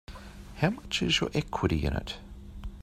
How much is your equity in it?